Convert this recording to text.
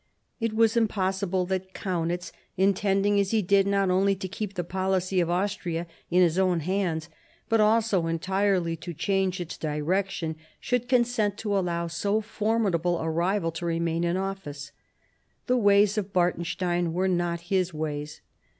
It was impossible that Kaunitz, intending as he did not only to keep the policy of Austria in his own hands, but also entirely to change its direction, should consent to allow so formidable a rival to remain in office. The ways of Bartenstein were not his ways.